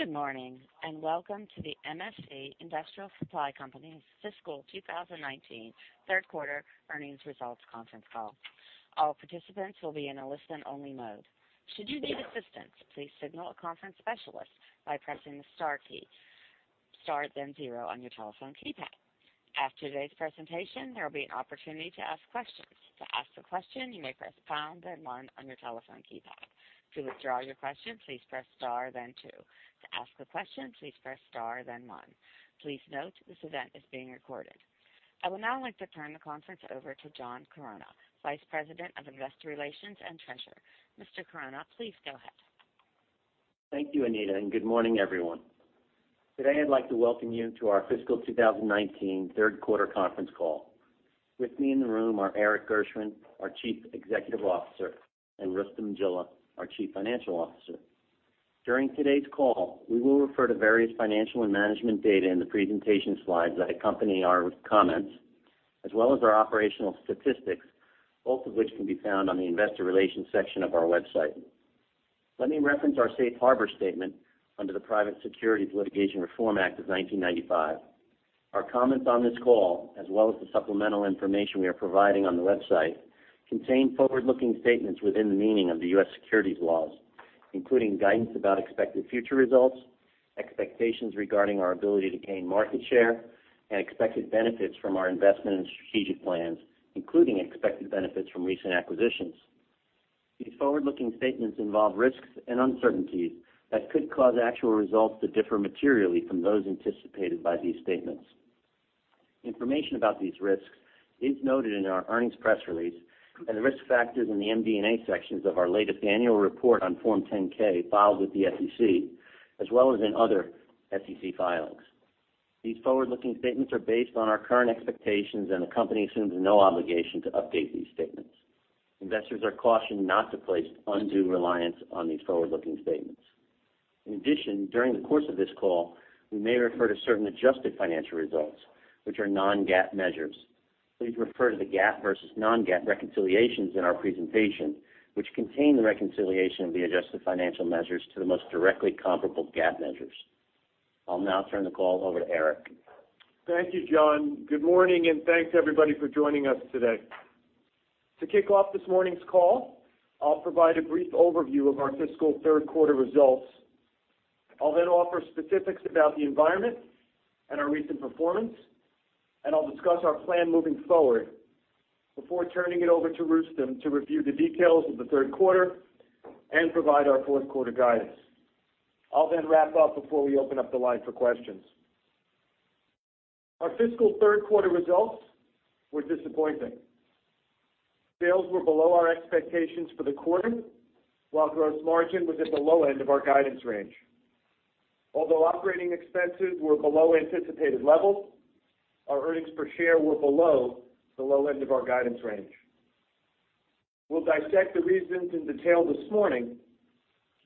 Good morning, and welcome to the MSC Industrial Supply Company's fiscal 2019 third quarter earnings results conference call. I would now like to turn the conference over to John Chironna, Vice President of Investor Relations and Treasurer. Mr. Chironna, please go ahead. Thank you, Anita, and good morning, everyone. Today, I'd like to welcome you to our fiscal 2019 third quarter conference call. With me in the room are Erik Gershwind, our Chief Executive Officer, and Rustom Jilla, our Chief Financial Officer. During today's call, we will refer to various financial and management data in the presentation slides that accompany our comments, as well as our operational statistics, both of which can be found on the investor relations section of our website. Let me reference our safe harbor statement under the Private Securities Litigation Reform Act of 1995. Our comments on this call, as well as the supplemental information we are providing on the website, contain forward-looking statements within the meaning of the U.S. securities laws, including guidance about expected future results, expectations regarding our ability to gain market share, and expected benefits from our investment and strategic plans, including expected benefits from recent acquisitions. These forward-looking statements involve risks and uncertainties that could cause actual results to differ materially from those anticipated by these statements. Information about these risks is noted in our earnings press release and the risk factors in the MD&A sections of our latest annual report on Form 10-K filed with the SEC, as well as in other SEC filings. These forward-looking statements are based on our current expectations and the company assumes no obligation to update these statements. Investors are cautioned not to place undue reliance on these forward-looking statements. In addition, during the course of this call, we may refer to certain adjusted financial results, which are non-GAAP measures. Please refer to the GAAP versus non-GAAP reconciliations in our presentation, which contain the reconciliation of the adjusted financial measures to the most directly comparable GAAP measures. I'll now turn the call over to Erik. Thank you, John. Thanks to everybody for joining us today. To kick off this morning's call, I'll provide a brief overview of our fiscal third quarter results. I'll then offer specifics about the environment and our recent performance, and I'll discuss our plan moving forward before turning it over to Rustom to review the details of the third quarter and provide our fourth quarter guidance. I'll then wrap up before we open up the line for questions. Our fiscal third quarter results were disappointing. Sales were below our expectations for the quarter, while gross margin was at the low end of our guidance range. Although operating expenses were below anticipated levels, our earnings per share were below the low end of our guidance range. We'll dissect the reasons in detail this morning,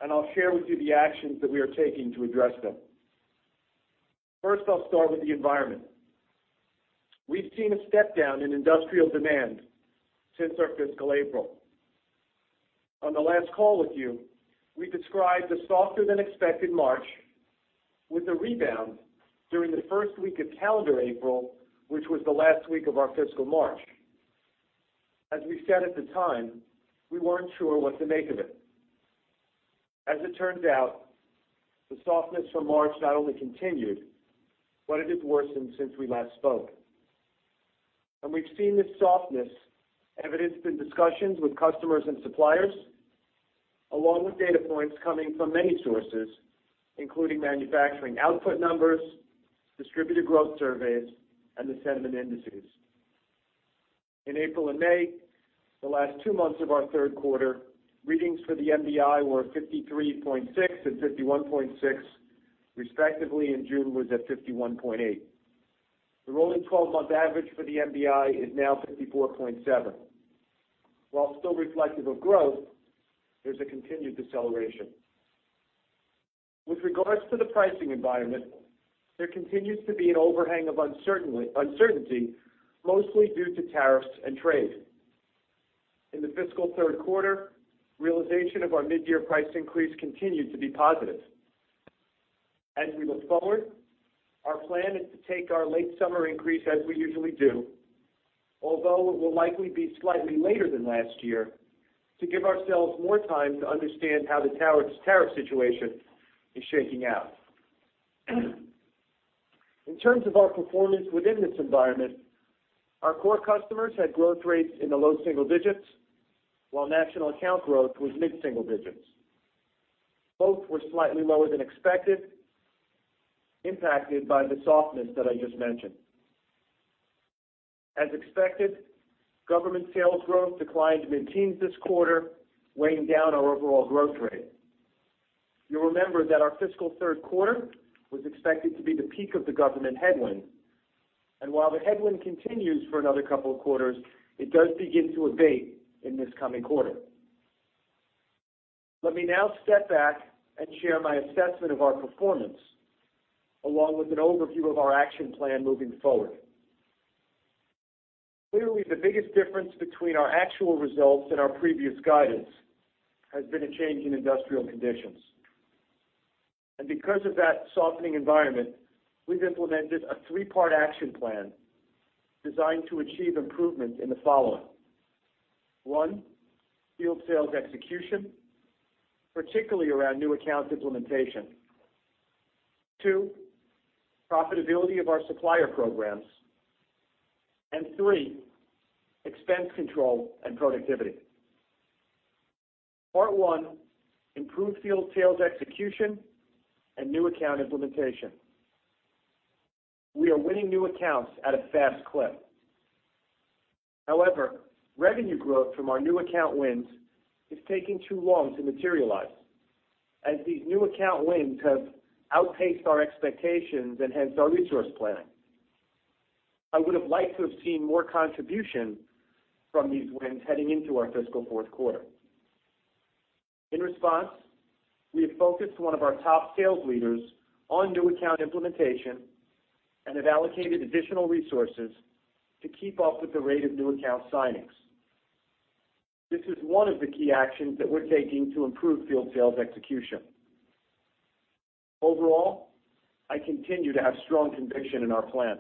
and I'll share with you the actions that we are taking to address them. First, I'll start with the environment. We've seen a step-down in industrial demand since our fiscal April. On the last call with you, we described a softer than expected March with a rebound during the first week of calendar April, which was the last week of our fiscal March. As we said at the time, we weren't sure what to make of it. As it turns out, the softness from March not only continued, but it has worsened since we last spoke. We've seen this softness evidenced in discussions with customers and suppliers, along with data points coming from many sources, including manufacturing output numbers, distributor growth surveys, and the sentiment indices. In April and May, the last two months of our third quarter, readings for the MBI were 53.6 and 51.6, respectively, and June was at 51.8. The rolling 12-month average for the MBI is now 54.7. While still reflective of growth, there's a continued deceleration. With regards to the pricing environment, there continues to be an overhang of uncertainty, mostly due to tariffs and trade. In the fiscal third quarter, realization of our mid-year price increase continued to be positive. As we look forward, our plan is to take our late summer increase as we usually do, although it will likely be slightly later than last year, to give ourselves more time to understand how the tariff situation is shaking out. In terms of our performance within this environment, our core customers had growth rates in the low single digits, while national account growth was mid-single digits. Both were slightly lower than expected, impacted by the softness that I just mentioned. As expected, government sales growth declined mid-teens this quarter, weighing down our overall growth rate. You'll remember that our fiscal third quarter was expected to be the peak of the government headwind, and while the headwind continues for another couple of quarters, it does begin to abate in this coming quarter. Let me now step back and share my assessment of our performance, along with an overview of our action plan moving forward. Clearly, the biggest difference between our actual results and our previous guidance has been a change in industrial conditions. Because of that softening environment, we've implemented a three-part action plan designed to achieve improvement in the following. One, field sales execution, particularly around new account implementation. Two, profitability of our supplier programs. Three, expense control and productivity. Part one, improve field sales execution and new account implementation. We are winning new accounts at a fast clip. However, revenue growth from our new account wins is taking too long to materialize, as these new account wins have outpaced our expectations and hence our resource planning. I would have liked to have seen more contribution from these wins heading into our fiscal fourth quarter. In response, we have focused one of our top sales leaders on new account implementation and have allocated additional resources to keep up with the rate of new account signings. This is one of the key actions that we're taking to improve field sales execution. Overall, I continue to have strong conviction in our plan.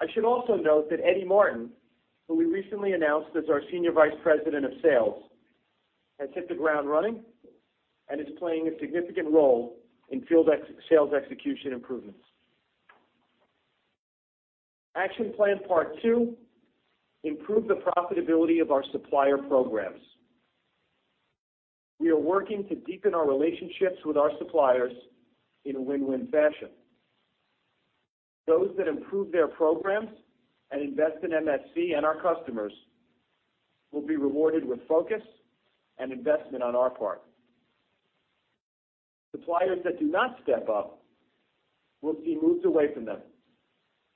I should also note that Eddie Martin, who we recently announced as our Senior Vice President of Sales, has hit the ground running and is playing a significant role in field sales execution improvements. Action plan part two, improve the profitability of our supplier programs. We are working to deepen our relationships with our suppliers in a win-win fashion. Those that improve their programs and invest in MSC and our customers will be rewarded with focus and investment on our part. Suppliers that do not step up will see moves away from them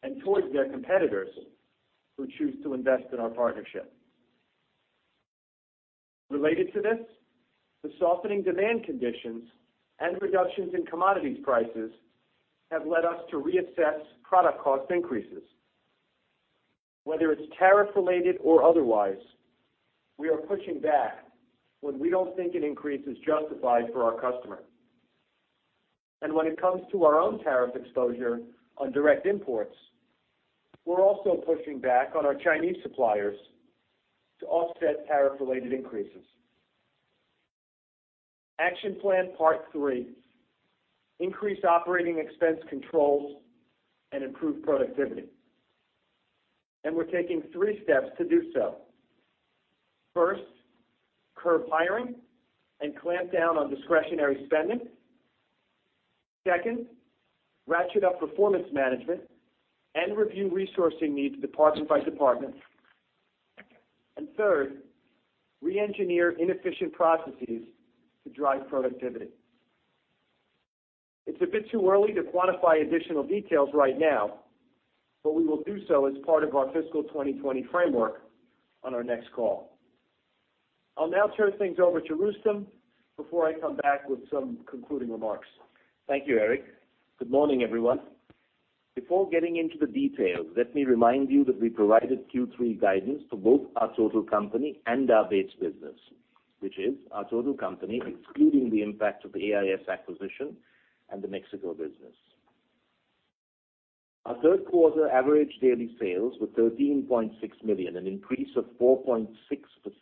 and towards their competitors who choose to invest in our partnership. Related to this, the softening demand conditions and reductions in commodities prices have led us to reassess product cost increases. Whether it's tariff-related or otherwise, we are pushing back when we don't think an increase is justified for our customer. And when it comes to our own tariff exposure on direct imports, we're also pushing back on our Chinese suppliers to offset tariff-related increases. Action plan part three, increase operating expense controls and improve productivity. And we're taking three steps to do so. First, curb hiring and clamp down on discretionary spending. Second, ratchet up performance management and review resourcing needs department by department. And third, re-engineer inefficient processes to drive productivity. It's a bit too early to quantify additional details right now, but we will do so as part of our fiscal 2020 framework on our next call. I'll now turn things over to Rustom before I come back with some concluding remarks. Thank you, Erik. Good morning, everyone. Before getting into the details, let me remind you that we provided Q3 guidance for both our total company and our base business, which is our total company excluding the impact of the AIS acquisition and the México business. Our third quarter average daily sales were $13.6 million, an increase of 4.6%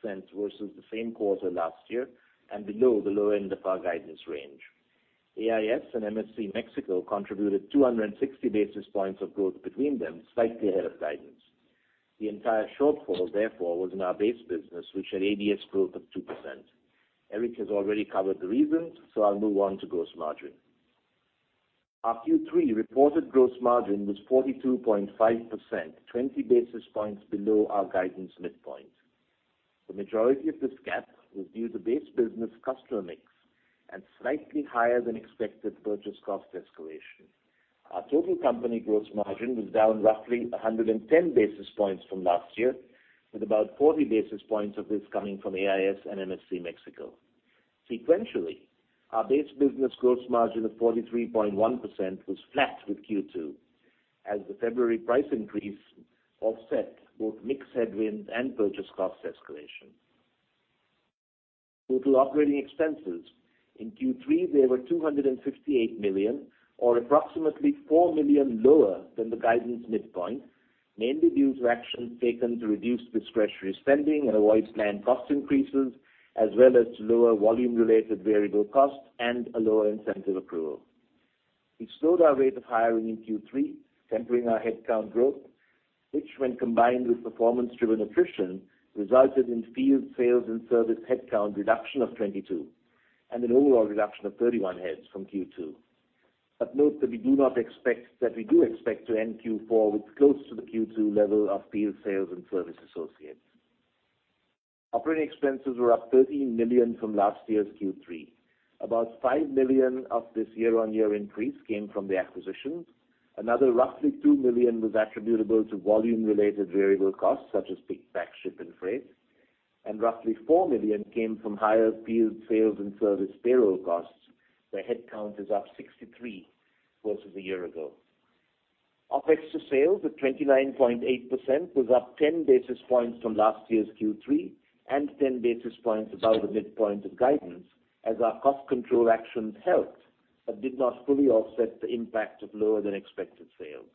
versus the same quarter last year, and below the low end of our guidance range. AIS and MSC México contributed 260 basis points of growth between them, slightly ahead of guidance. The entire shortfall, therefore, was in our base business, which had ADS growth of 2%. Erik has already covered the reasons, so I'll move on to gross margin. Our Q3 reported gross margin was 42.5%, 20 basis points below our guidance midpoint. The majority of this gap was due to base business customer mix and slightly higher than expected purchase cost escalation. Our total company gross margin was down roughly 110 basis points from last year, with about 40 basis points of this coming from AIS and MSC México. Sequentially, our base business gross margin of 43.1% was flat with Q2, as the February price increase offset both mix headwinds and purchase cost escalation. Move to operating expenses. In Q3, they were $258 million or approximately $4 million lower than the guidance midpoint, mainly due to actions taken to reduce discretionary spending and avoid planned cost increases, as well as lower volume-related variable costs and a lower incentive accrual. We slowed our rate of hiring in Q3, tempering our headcount growth, which when combined with performance-driven attrition, resulted in field sales and service headcount reduction of 22, and an overall reduction of 31 heads from Q2. Note that we do expect to end Q4 with close to the Q2 level of field sales and service associates. Operating expenses were up $13 million from last year's Q3. About $5 million of this year-on-year increase came from the acquisitions. Another roughly $2 million was attributable to volume-related variable costs, such as pick, pack, ship, and freight. Roughly $4 million came from higher field sales and service payroll costs, where headcount is up 63 versus a year ago. OpEx to sales of 29.8% was up 10 basis points from last year's Q3 and 10 basis points above the midpoint of guidance as our cost control actions helped but did not fully offset the impact of lower than expected sales.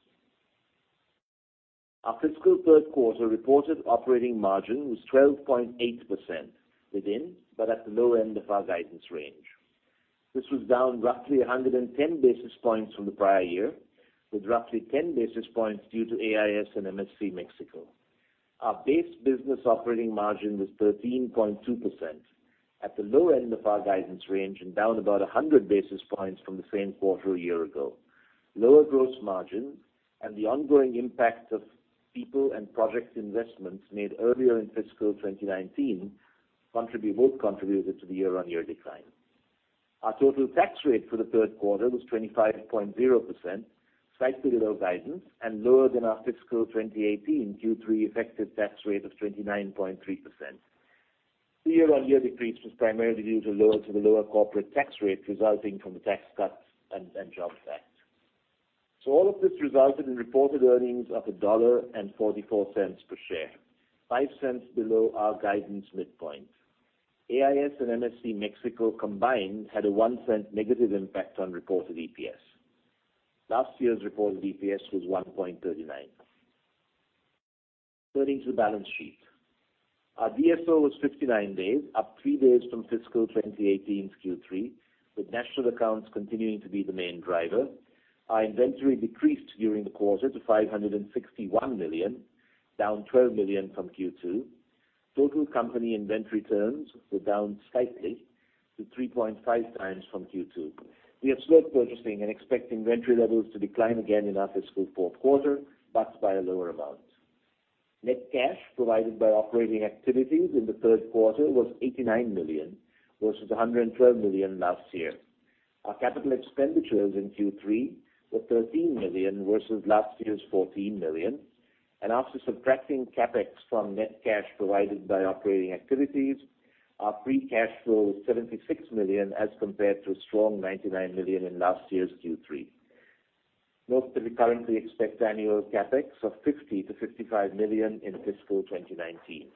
Our fiscal third quarter reported operating margin was 12.8%, within but at the low end of our guidance range. This was down roughly 110 basis points from the prior year, with roughly 10 basis points due to AIS and MSC México. Our base business operating margin was 13.2%, at the low end of our guidance range and down about 100 basis points from the same quarter a year ago. Lower gross margin and the ongoing impact of people and project investments made earlier in fiscal 2019, both contributed to the year-on-year decline. Our total tax rate for the third quarter was 25.0%, slightly below guidance and lower than our fiscal 2018 Q3 effective tax rate of 29.3%. The year-on-year decrease was primarily due to the lower corporate tax rate resulting from the Tax Cuts and Jobs Act. All of this resulted in reported earnings of $1.44 per share, $0.05 below our guidance midpoint. AIS and MSC México combined had a $0.01- impact on reported EPS. Last year's reported EPS was $1.39. Turning to the balance sheet. Our DSO was 59 days, up three days from fiscal 2018's Q3, with national accounts continuing to be the main driver. Our inventory decreased during the quarter to $561 million, down $12 million from Q2. Total company inventory turns were down slightly to 3.5x from Q2. We have slowed purchasing and expect inventory levels to decline again in our fiscal fourth quarter, but by a lower amount. Net cash provided by operating activities in the third quarter was $89 million, versus $112 million last year. Our capital expenditures in Q3 were $13 million, versus last year's $14 million. After subtracting CapEx from net cash provided by operating activities, our free cash flow was $76 million, as compared to a strong $99 million in last year's Q3. Note that we currently expect annual CapEx of $50 million-$55 million in fiscal 2019.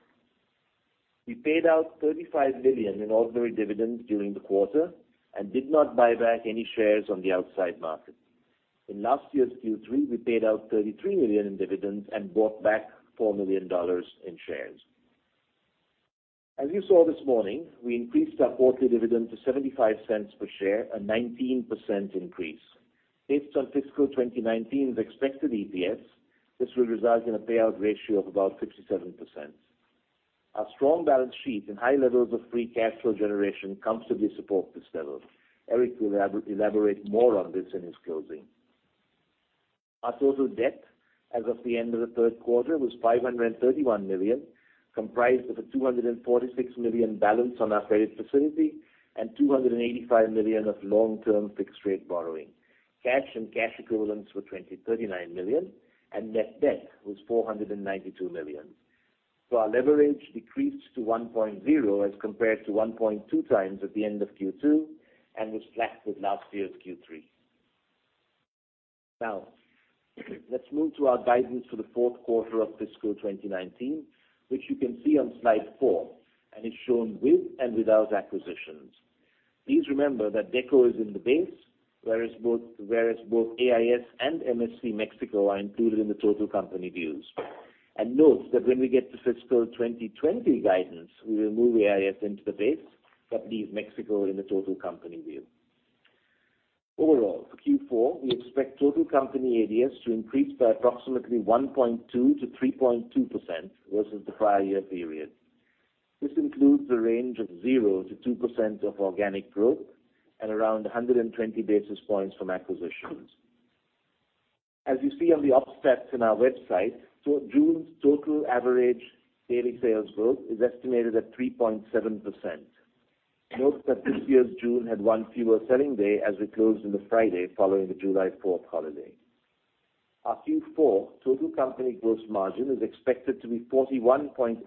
We paid out $35 million in ordinary dividends during the quarter and did not buy back any shares on the outside market. In last year's Q3, we paid out $33 million in dividends and bought back $4 million in shares. As you saw this morning, we increased our quarterly dividend to $0.75 per share, a 19% increase. Based on fiscal 2019's expected EPS, this will result in a payout ratio of about 57%. Our strong balance sheet and high levels of free cash flow generation comfortably support this level. Erik Gershwind will elaborate more on this in his closing. Our total debt as of the end of the third quarter was $531 million, comprised of a $246 million balance on our credit facility and $285 million of long-term fixed-rate borrowing. Cash and cash equivalents were $239 million, and net debt was $492 million. Our leverage decreased to 1.0 as compared to 1.2x at the end of Q2 and was flat with last year's Q3. Let's move to our guidance for the fourth quarter of fiscal 2019, which you can see on slide four, and is shown with and without acquisitions. Please remember that DECO is in the base, whereas both AIS and MSC México are included in the total company views. Note that when we get to fiscal 2020 guidance, we will move AIS into the base but leave MSC México in the total company view. Overall, for Q4, we expect total company ADS to increase by approximately 1.2%-3.2% versus the prior year period. This includes a range of 0%-2% of organic growth and around 120 basis points from acquisitions. As you see on the ops stats in our website, June's total average daily sales growth is estimated at 3.7%. Note that this year's June had one fewer selling day as we closed on the Friday following the July 4th holiday. Our Q4 total company gross margin is expected to be 41.8%,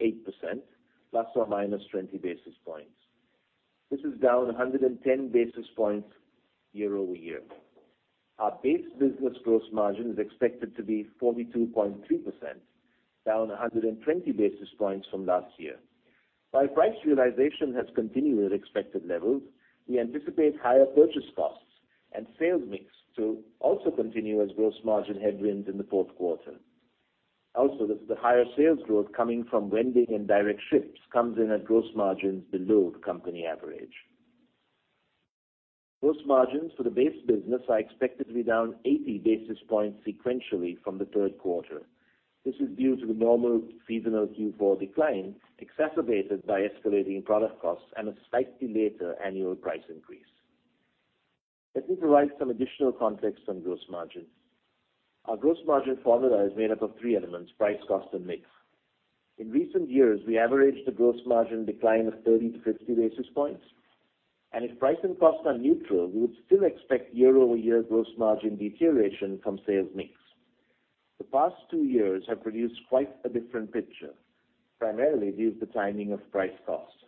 ±20 basis points. This is down 110 basis points year-over-year. Our base business gross margin is expected to be 42.3%, down 120 basis points from last year. While price realization has continued at expected levels, we anticipate higher purchase costs and sales mix to also continue as gross margin headwinds in the fourth quarter. The higher sales growth coming from vending and direct ships comes in at gross margins below the company average. Gross margins for the base business are expected to be down 80 basis points sequentially from the third quarter. This is due to the normal seasonal Q4 decline, exacerbated by escalating product costs and a slightly later annual price increase. Let me provide some additional context on gross margin. Our gross margin formula is made up of three elements, price, cost, and mix. In recent years, we averaged a gross margin decline of 30 basis points-50 basis points. If price and costs are neutral, we would still expect year-over-year gross margin deterioration from sales mix. The past two years have produced quite a different picture, primarily due to the timing of price costs.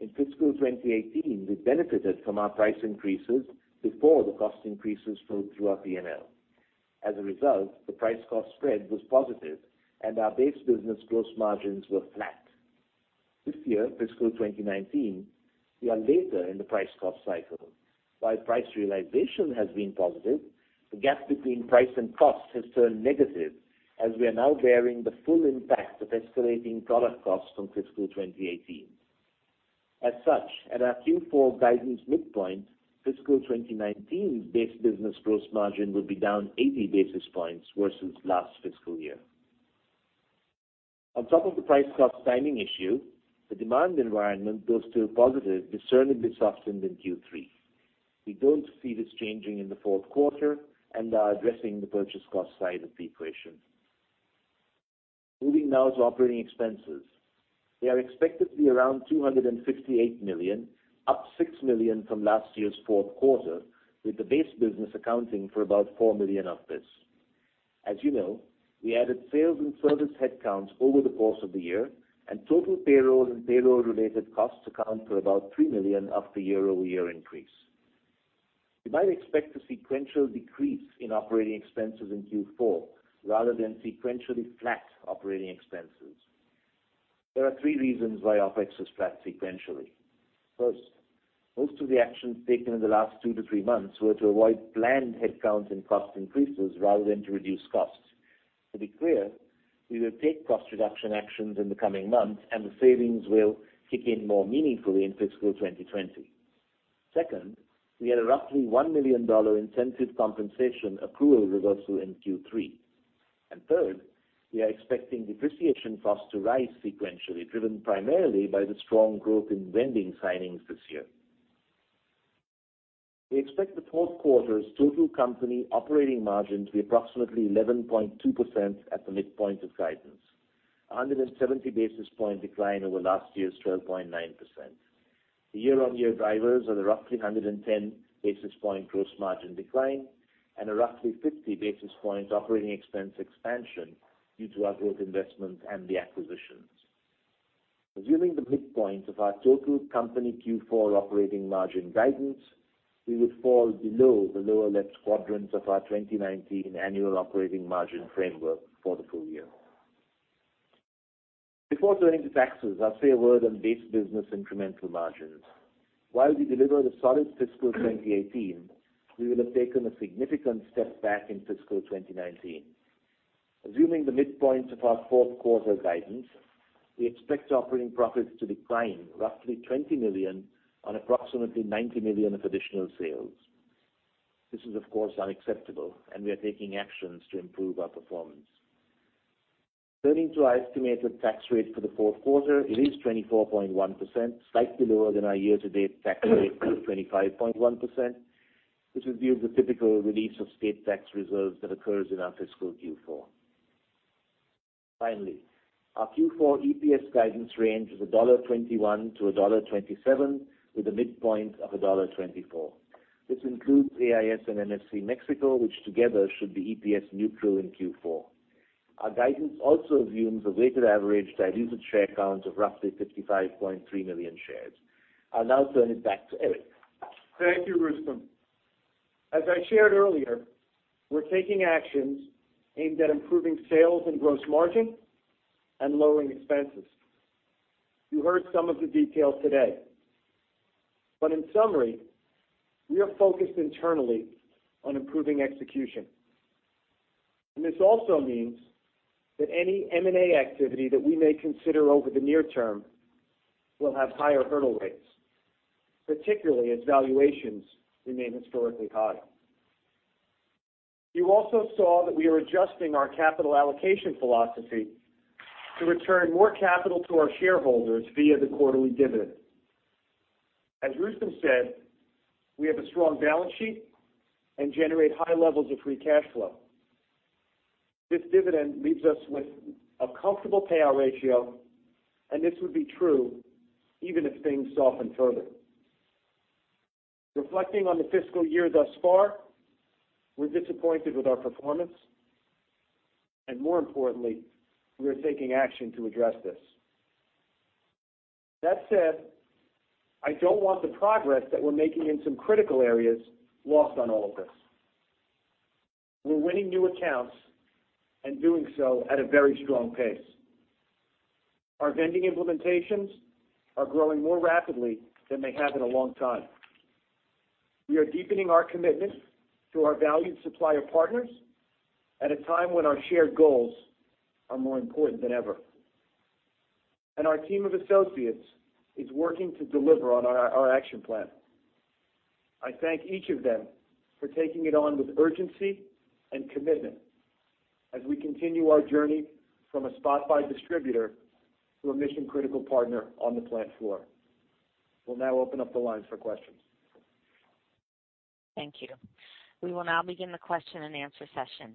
In fiscal 2018, we benefited from our price increases before the cost increases flowed through our P&L. As a result, the price cost spread was positive, and our base business gross margins were flat. This year, fiscal 2019, we are later in the price-cost cycle. While price realization has been positive, the gap between price and cost has turned negative, as we are now bearing the full impact of escalating product costs from fiscal 2018. As such, at our Q4 guidance midpoint, fiscal 2019 base business gross margin will be down 80 basis points versus last fiscal year. On top of the price-cost timing issue, the demand environment, though still positive, discernibly softened in Q3. We don't see this changing in the fourth quarter and are addressing the purchase cost side of the equation. Moving now to operating expenses. They are expected to be around $258 million, up $6 million from last year's fourth quarter, with the base business accounting for about $4 million of this. As you know, we added sales and service headcounts over the course of the year, total payroll and payroll-related costs account for about $3 million of the year-over-year increase. You might expect a sequential decrease in operating expenses in Q4 rather than sequentially flat operating expenses. There are three reasons why OpEx is flat sequentially. First, most of the actions taken in the last two to three months were to avoid planned headcount and cost increases rather than to reduce costs. To be clear, we will take cost reduction actions in the coming months, and the savings will kick in more meaningfully in fiscal 2020. Second, we had a roughly $1 million incentive compensation accrual reversal in Q3. Third, we are expecting depreciation costs to rise sequentially, driven primarily by the strong growth in vending signings this year. We expect the fourth quarter's total company operating margin to be approximately 11.2% at the midpoint of guidance, 170 basis point decline over last year's 12.9%. The year-on-year drivers are the roughly 110 basis point gross margin decline and a roughly 50 basis point operating expense expansion due to our growth investments and the acquisitions. Assuming the midpoint of our total company Q4 operating margin guidance, we would fall below the lower left quadrants of our 2019 annual operating margin framework for the full year. Before turning to taxes, I'll say a word on base business incremental margins. While we delivered a solid fiscal 2018, we will have taken a significant step back in fiscal 2019. Assuming the midpoints of our fourth quarter guidance, we expect operating profits to decline roughly $20 million on approximately $90 million of additional sales. This is, of course, unacceptable, and we are taking actions to improve our performance. Turning to our estimated tax rate for the fourth quarter, it is 24.1%, slightly lower than our year-to-date tax rate of 25.1%, which is due to the typical release of state tax reserves that occurs in our fiscal Q4. Finally, our Q4 EPS guidance range is $1.21-$1.27, with a midpoint of $1.24. This includes AIS and MSC México, which together should be EPS neutral in Q4. Our guidance also assumes a weighted average diluted share count of roughly 55.3 million shares. I'll now turn it back to Erik. Thank you, Rustom. As I shared earlier, we're taking actions aimed at improving sales and gross margin and lowering expenses. You heard some of the details today, but in summary, we are focused internally on improving execution. This also means that any M&A activity that we may consider over the near term will have higher hurdle rates, particularly as valuations remain historically high. You also saw that we are adjusting our capital allocation philosophy to return more capital to our shareholders via the quarterly dividend. As Rustom said, we have a strong balance sheet and generate high levels of free cash flow. This dividend leaves us with a comfortable payout ratio, and this would be true even if things soften further. Reflecting on the fiscal year thus far, we're disappointed with our performance, and more importantly, we are taking action to address this. That said, I don't want the progress that we're making in some critical areas lost on all of us. We're winning new accounts and doing so at a very strong pace. Our vending implementations are growing more rapidly than they have in a long time. We are deepening our commitment to our valued supplier partners at a time when our shared goals are more important than ever. Our team of associates is working to deliver on our action plan. I thank each of them for taking it on with urgency and commitment as we continue our journey from a spot buy distributor to a mission-critical partner on the plant floor. We'll now open up the lines for questions. Thank you. We will now begin the question and answer session.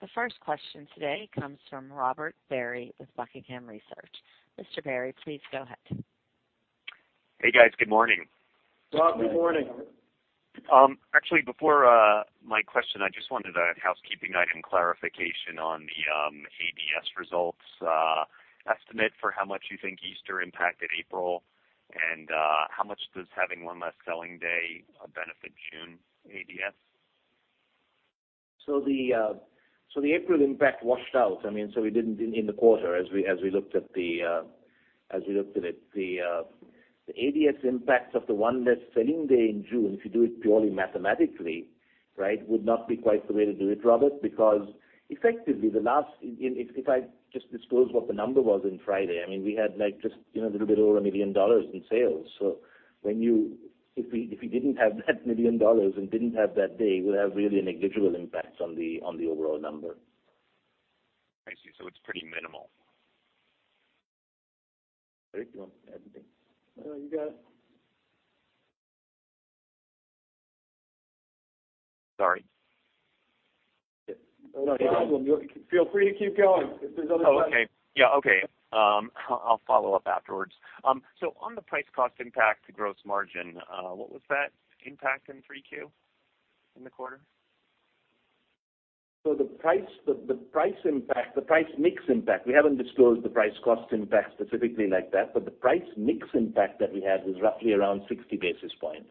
The first question today comes from Robert Barry with Buckingham Research. Mr. Barry, please go ahead. Hey, guys. Good morning. Rob, good morning. Actually, before my question, I just wanted a housekeeping item clarification on the ADS results estimate for how much you think Easter impacted April, and how much does having one less selling day benefit June ADS? The April impact washed out. We didn't in the quarter as we looked at the ADS impacts of the one less selling day in June, if you do it purely mathematically. Would not be quite the way to do it, Robert, because effectively, if I just disclose what the number was in Friday, we had just a little bit over $1 million in sales. If we didn't have that $1 million and didn't have that day, we'd have really negligible impacts on the overall number. I see. It's pretty minimal. Erik, you want to add anything? No, you got it. Sorry. No, no. Feel free to keep going if there's other questions. Oh, okay. Yeah, okay. I'll follow up afterwards. On the price cost impact to gross margin, what was that impact in 3Q in the quarter? The price mix impact, we haven't disclosed the price cost impact specifically like that, but the price mix impact that we had was roughly around 60 basis points.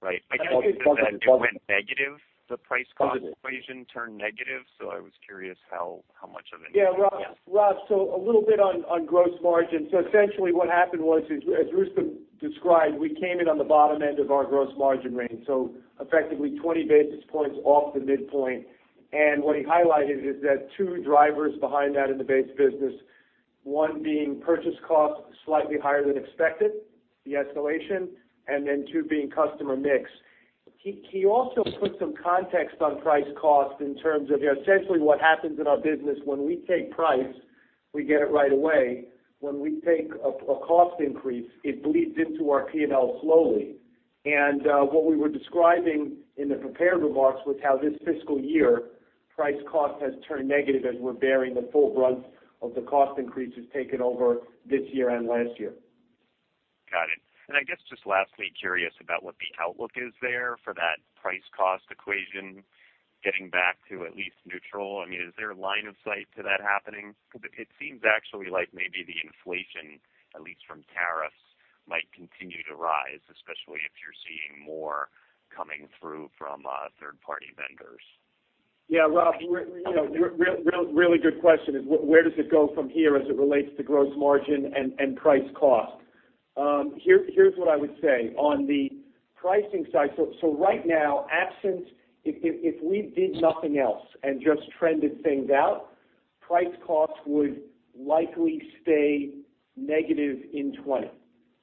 Right. I guess because it went negative, the price cost. Oh, did it? Equation turn negative, I was curious how much of an impact. Yeah. Yeah, Rob. A little bit on gross margin. Essentially what happened was, as Rustom described, we came in on the bottom end of our gross margin range, effectively 20 basis points off the midpoint. What he highlighted is that two drivers behind that in the base business, one being purchase cost slightly higher than expected, the escalation, and then two being customer mix. He also put some context on price cost in terms of essentially what happens in our business when we take price, we get it right away. When we take a cost increase, it bleeds into our P&L slowly. What we were describing in the prepared remarks was how this fiscal year price cost has turned negative as we're bearing the full brunt of the cost increases taken over this year and last year. Got it. I guess just lastly, curious about what the outlook is there for that price cost equation, getting back to at least neutral. Is there a line of sight to that happening? It seems actually like maybe the inflation, at least from tariffs, might continue to rise, especially if you're seeing more coming through from third-party vendors. Yeah, Robert, really good question is where does it go from here as it relates to gross margin and price cost. Here's what I would say. On the pricing side, Right now, absence, if we did nothing else and just trended things out, price cost would likely stay negative in 2020.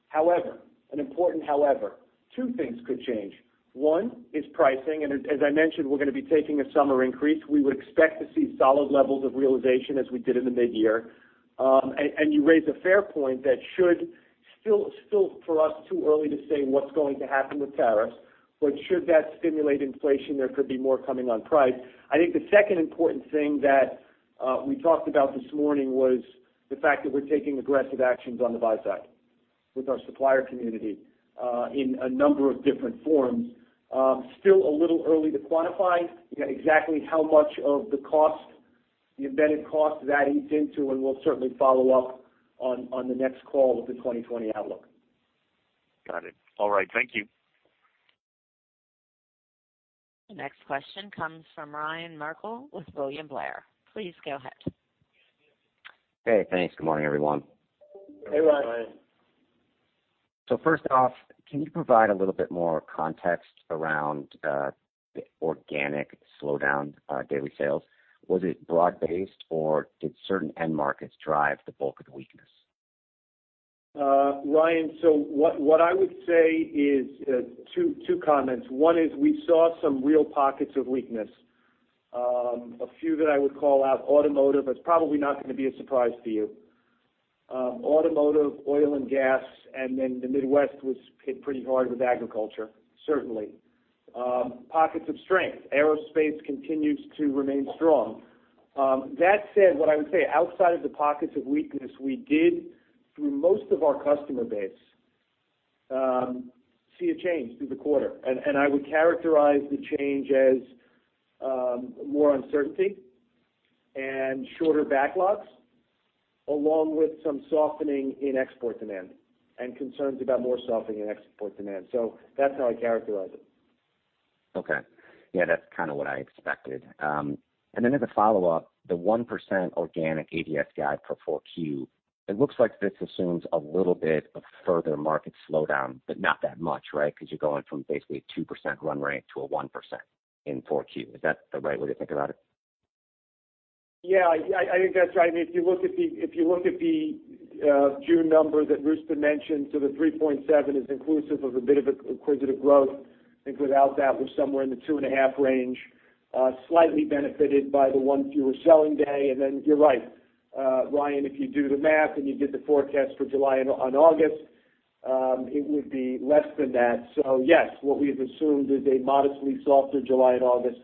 However, an important however, Two things could change. One is pricing. As I mentioned, we're going to be taking a summer increase. We would expect to see solid levels of realization as we did in the mid-year. You raise a fair point that should still for us too early to say what's going to happen with tariffs. Should that stimulate inflation, there could be more coming on price. I think the second important thing that we talked about this morning was the fact that we're taking aggressive actions on the buy side with our supplier community, in a number of different forms. Still a little early to quantify exactly how much of the embedded cost that eats into. We'll certainly follow up on the next call with the 2020 outlook. Got it. All right. Thank you. The next question comes from Ryan Merkel with William Blair. Please go ahead. Hey, thanks. Good morning, everyone. Hey, Ryan. Hey, Ryan. First off, can you provide a little bit more context around the organic slowdown daily sales? Was it broad-based, or did certain end markets drive the bulk of the weakness? Ryan, what I would say is two comments. One is we saw some real pockets of weakness. A few that I would call out, automotive, it's probably not going to be a surprise to you. Automotive, oil and gas, then the Midwest was hit pretty hard with agriculture, certainly. Pockets of strength. Aerospace continues to remain strong. That said, what I would say, outside of the pockets of weakness, we did through most of our customer base, see a change through the quarter, I would characterize the change as more uncertainty and shorter backlogs, along with some softening in export demand and concerns about more softening in export demand. That's how I characterize it. Okay. Yeah, that's kind of what I expected. Then as a follow-up, the 1% organic ADS guide for 4Q, it looks like this assumes a little bit of further market slowdown, but not that much, right? Because you're going from basically a 2% run rate to a 1% in 4Q. Is that the right way to think about it? Yeah, I think that's right. If you look at the June numbers that Rustom mentioned, the 3.7 is inclusive of a bit of acquisitive growth. I think without that, we're somewhere in the 2.5 range. Slightly benefited by the one fewer selling day. Then you're right, Ryan, if you do the math and you did the forecast for July and on August, it would be less than that. Yes, what we've assumed is a modestly softer July and August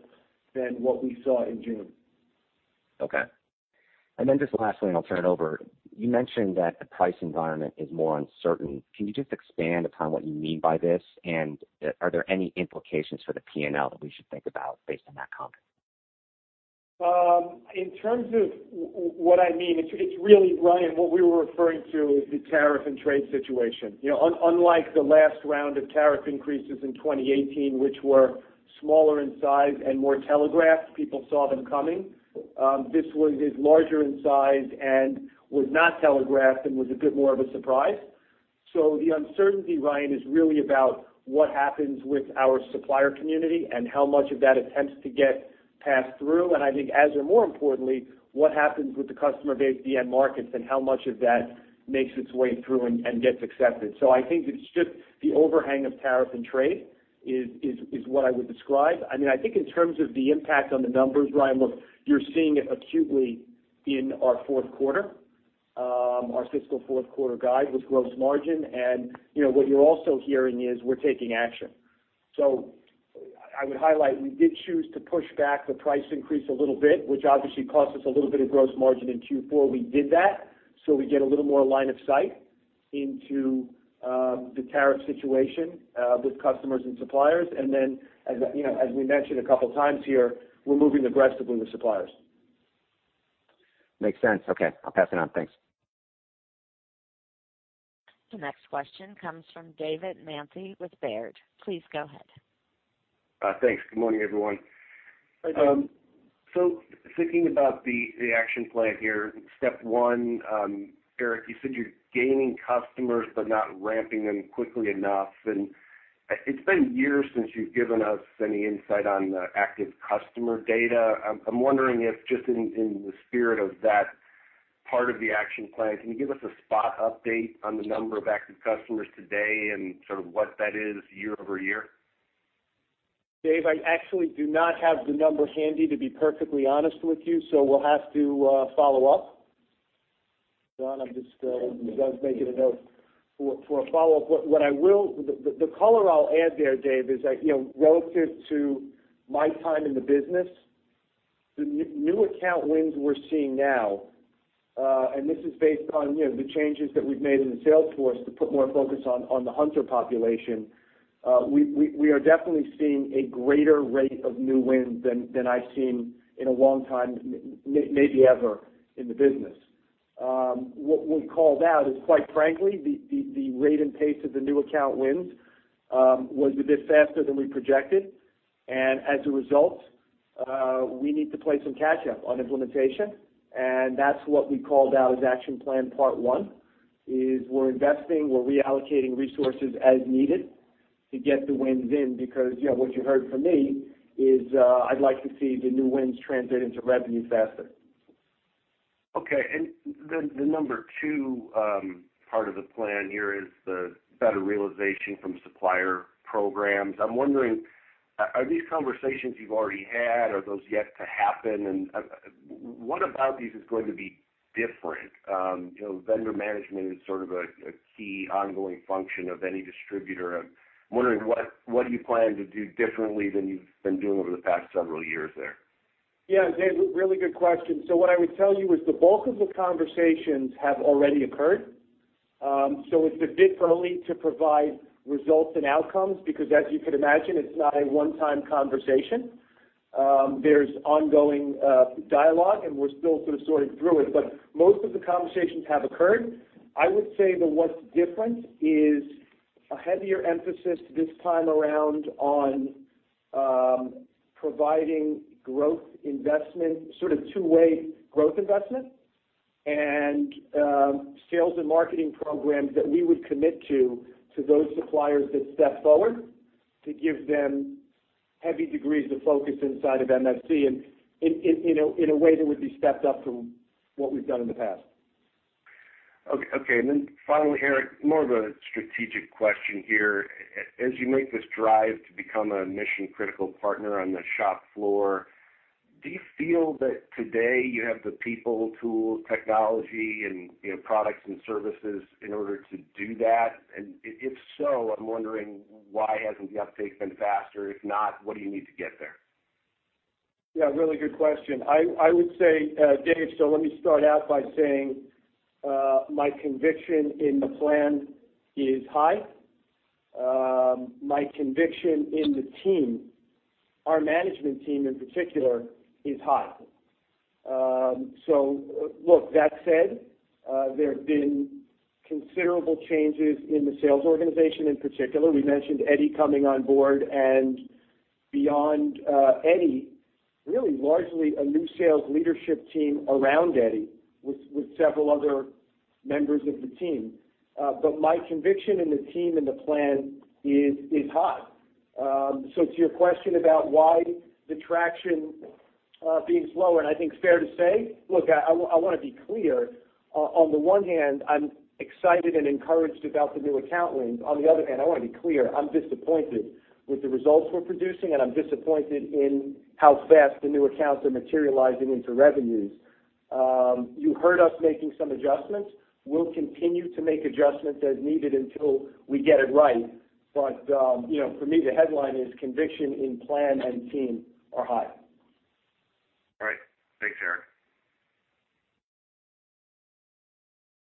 than what we saw in June. Okay. Then just lastly, I'll turn it over. You mentioned that the price environment is more uncertain. Can you just expand upon what you mean by this? Are there any implications for the P&L that we should think about based on that comment? In terms of what I mean, it's really, Ryan, what we were referring to is the tariff and trade situation. Unlike the last round of tariff increases in 2018, which were smaller in size and more telegraphed, people saw them coming. This one is larger in size and was not telegraphed and was a bit more of a surprise. The uncertainty, Ryan, is really about what happens with our supplier community and how much of that attempts to get passed through. I think as or more importantly, what happens with the customer base, the end markets, and how much of that makes its way through and gets accepted. I think it's just the overhang of tariff and trade, is what I would describe. I think in terms of the impact on the numbers, Ryan, look, you're seeing it acutely in our fourth quarter, our fiscal fourth quarter guide with gross margin. What you're also hearing is we're taking action. I would highlight, we did choose to push back the price increase a little bit, which obviously cost us a little bit of gross margin in Q4. We did that so we get a little more line of sight into the tariff situation with customers and suppliers. Then, as we mentioned a couple of times here, we're moving aggressively with suppliers. Makes sense. Okay, I'll pass it on. Thanks. The next question comes from David Manthey with Baird. Please go ahead. Thanks. Good morning, everyone. Hi, David. Thinking about the action plan here, step one, Erik, you said you're gaining customers but not ramping them quickly enough, and it's been years since you've given us any insight on the active customer data. I'm wondering if just in the spirit of that part of the action plan, can you give us a spot update on the number of active customers today and sort of what that is year-over-year? Dave, I actually do not have the number handy to be perfectly honest with you, so we'll have to follow up. John, I'm just making a note for a follow-up. The color I'll add there, Dave, is that relative to my time in the business, the new account wins we're seeing now, and this is based on the changes that we've made in the sales force to put more focus on the Hunter population. We are definitely seeing a greater rate of new wins than I've seen in a long time, maybe ever, in the business. What we called out is quite frankly, the rate and pace of the new account wins was a bit faster than we projected, and as a result, we need to play some catch up on implementation, and that's what we called out as action plan part one. Is we're investing, we're reallocating resources as needed to get the wins in because what you heard from me is I'd like to see the new wins translate into revenue faster. Okay, the number two part of the plan here is the better realization from supplier programs. I'm wondering, are these conversations you've already had, or those yet to happen? What about these is going to be different? Vendor management is sort of a key ongoing function of any distributor. I'm wondering what you plan to do differently than you've been doing over the past several years there. Yeah, Dave, really good question. What I would tell you is the bulk of the conversations have already occurred. It's a bit early to provide results and outcomes because as you can imagine, it's not a one-time conversation. There's ongoing dialogue, and we're still sort of sorting through it, but most of the conversations have occurred. I would say that what's different is a heavier emphasis this time around on providing sort of two-way growth investment and sales and marketing programs that we would commit to those suppliers that step forward to give them heavy degrees of focus inside of MSC in a way that would be stepped up from what we've done in the past. Okay. Finally, Erik, more of a strategic question here. As you make this drive to become a mission-critical partner on the shop floor, do you feel that today you have the people, tools, technology, and products and services in order to do that? If so, I'm wondering why hasn't the uptake been faster? If not, what do you need to get there? Really good question. I would say, Dave, let me start out by saying my conviction in the plan is high. My conviction in the team, our management team in particular, is high. Look, that said, there have been considerable changes in the sales organization, in particular. We mentioned Eddie coming on board, and beyond Eddie, really largely a new sales leadership team around Eddie with several other members of the team. My conviction in the team and the plan is high. To your question about why the traction being slower, and I think fair to say. Look, I want to be clear. On the one hand, I'm excited and encouraged about the new account wins. On the other hand, I want to be clear, I'm disappointed with the results we're producing, and I'm disappointed in how fast the new accounts are materializing into revenues. You heard us making some adjustments. We'll continue to make adjustments as needed until we get it right. For me, the headline is conviction in plan and team are high. All right. Thanks, Erik.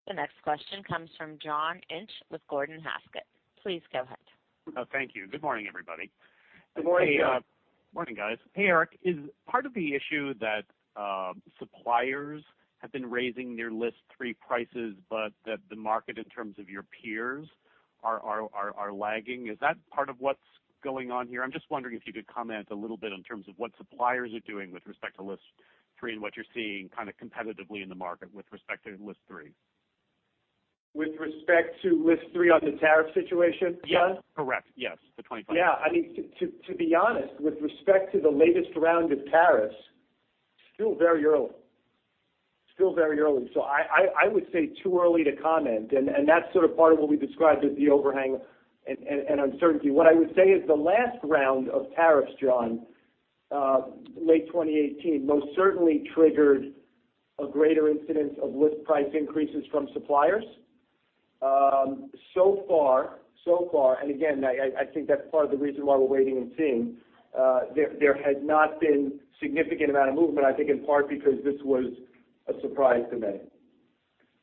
The next question comes from John Inch with Gordon Haskett. Please go ahead. Oh, thank you. Good morning, everybody. Good morning. Morning, guys. Hey, Erik. Is part of the issue that suppliers have been raising their List 3 prices, but that the market in terms of your peers are lagging? Is that part of what's going on here? I'm just wondering if you could comment a little bit in terms of what suppliers are doing with respect to List 3 and what you're seeing competitively in the market with respect to List 3. With respect to List 3 on the tariff situation, John? Yes. Correct. Yes, the 25. To be honest, with respect to the latest round of tariffs, still very early. I would say too early to comment, and that's sort of part of what we described as the overhang and uncertainty. What I would say is the last round of tariffs, John, late 2018, most certainly triggered a greater incidence of list price increases from suppliers. Far, and again, I think that's part of the reason why we're waiting and seeing, there has not been significant amount of movement, I think in part because this was a surprise to many.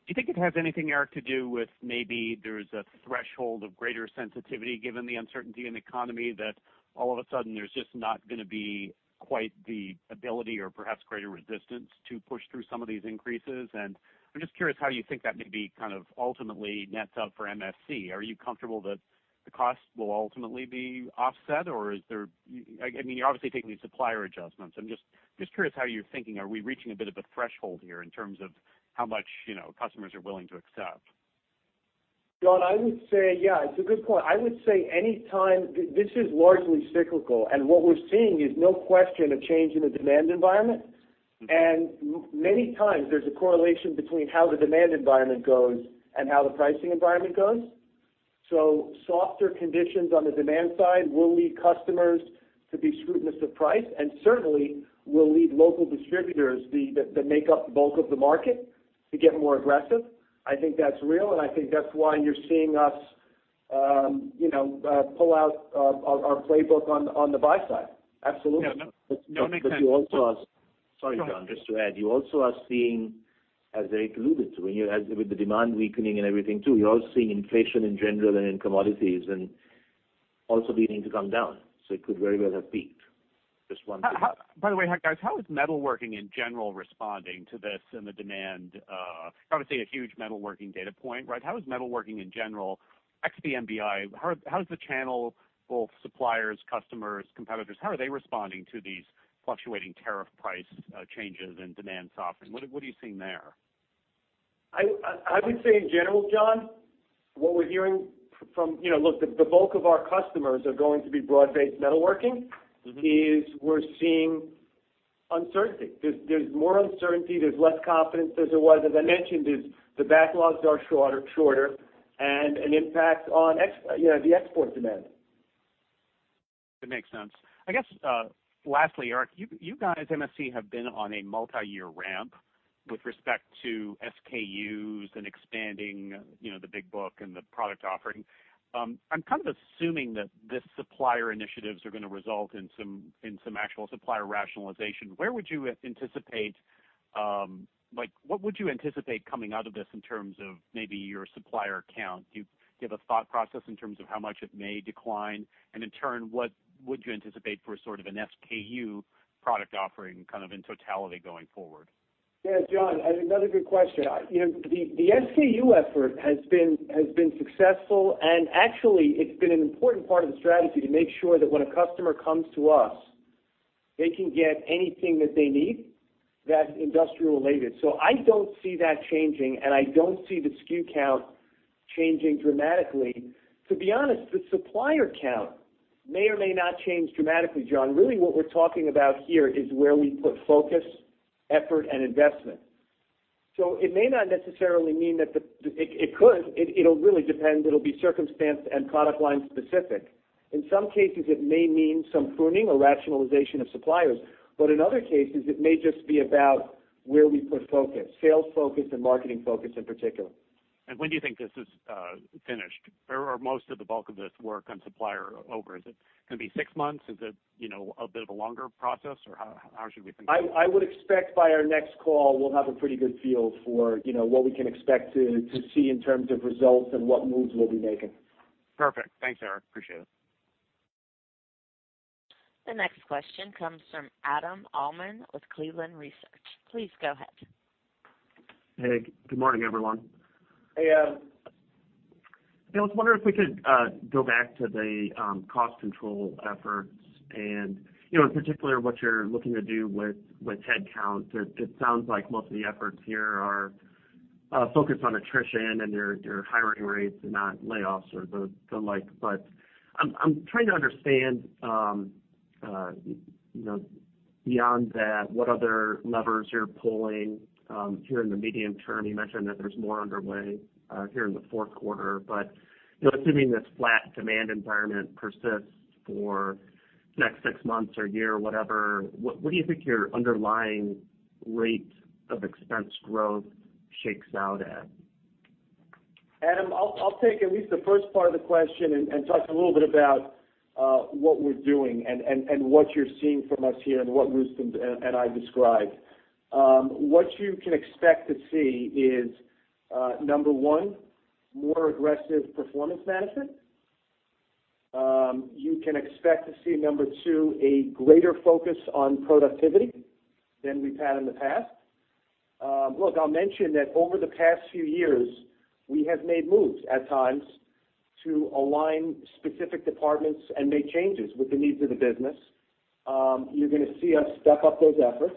Do you think it has anything, Erik, to do with maybe there's a threshold of greater sensitivity given the uncertainty in the economy, that all of a sudden there's just not going to be quite the ability or perhaps greater resistance to push through some of these increases? I'm just curious how you think that maybe kind of ultimately nets up for MSC. Are you comfortable that the cost will ultimately be offset, or is there You're obviously taking these supplier adjustments. I'm just curious how you're thinking. Are we reaching a bit of a threshold here in terms of how much customers are willing to accept? John, it's a good point. I would say any time-- this is largely cyclical, and what we're seeing is, no question, a change in the demand environment. Many times there's a correlation between how the demand environment goes and how the pricing environment goes. Softer conditions on the demand side will lead customers to be scrutinous of price, and certainly will lead local distributors that make up the bulk of the market to get more aggressive. I think that's real, and I think that's why you're seeing us pull out our playbook on the buy side. Absolutely. Yeah. No, that makes sense. You also are-. Sorry, John, just to add. You also are seeing, as Erik alluded to, with the demand weakening and everything, too, you're also seeing inflation in general and in commodities and also beginning to come down. It could very well have peaked. Just one thing. By the way, guys, how is metalworking in general responding to this and the demand? Obviously, a huge metalworking data point, right? How is metalworking in general, ex the MBI, how is the channel, both suppliers, customers, competitors, how are they responding to these fluctuating tariff price changes and demand softening? What are you seeing there? I would say in general, John, what we're hearing, look, the bulk of our customers are going to be broad-based metalworking, is we're seeing uncertainty. There's more uncertainty, there's less confidence as there was. As I mentioned, the backlogs are shorter and an impact on the export demand. It makes sense. I guess, lastly, Erik, you guys, MSC, have been on a multi-year ramp with respect to SKUs and expanding the big book and the product offering. I'm kind of assuming that this supplier initiatives are going to result in some actual supplier rationalization. What would you anticipate coming out of this in terms of maybe your supplier count? Do you have a thought process in terms of how much it may decline? In turn, what would you anticipate for sort of an SKU product offering kind of in totality going forward? Yeah, John, another good question. The SKU effort has been successful, and actually, it's been an important part of the strategy to make sure that when a customer comes to us, they can get anything that they need that's industrial related. I don't see that changing, and I don't see the SKU count changing dramatically. To be honest, the supplier count may or may not change dramatically, John. Really what we're talking about here is where we put focus, effort, and investment. It may not necessarily mean that it could. It'll really depend. It'll be circumstance and product line specific. In some cases, it may mean some pruning or rationalization of suppliers. In other cases, it may just be about where we put focus, sales focus and marketing focus in particular. When do you think this is finished, or most of the bulk of this work on supplier over? Is it going to be six months? Is it a bit of a longer process, or how should we think about it? I would expect by our next call, we'll have a pretty good feel for what we can expect to see in terms of results and what moves we'll be making. Perfect. Thanks, Erik. Appreciate it. The next question comes from Adam Uhlman with Cleveland Research. Please go ahead. Hey, good morning, everyone. Hey, Adam. I was wondering if we could go back to the cost control efforts and in particular, what you're looking to do with headcounts. It sounds like most of the efforts here are focus on attrition and your hiring rates and not layoffs or the like. I'm trying to understand, beyond that, what other levers you're pulling here in the medium term. You mentioned that there's more underway here in the fourth quarter, assuming this flat demand environment persists for the next six months or a year, whatever, what do you think your underlying rate of expense growth shakes out at? Adam, I'll take at least the first part of the question and talk a little bit about what we're doing and what you're seeing from us here, and what Rustom and I described. What you can expect to see is, number 1, more aggressive performance management. You can expect to see, number two, a greater focus on productivity than we've had in the past. Look, I'll mention that over the past few years, we have made moves at times to align specific departments and make changes with the needs of the business. You're going to see us step up those efforts.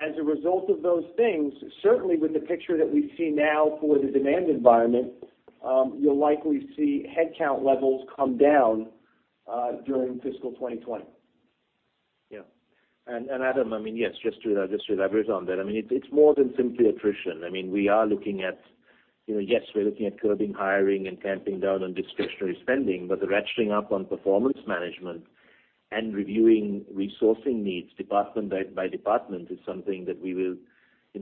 As a result of those things, certainly with the picture that we see now for the demand environment, you'll likely see headcount levels come down during fiscal 2020. Yeah. Adam, yes, just to leverage on that, it's more than simply attrition. We are looking at curbing hiring and tamping down on discretionary spending, but the ratcheting up on performance management and reviewing resourcing needs department by department is something that we will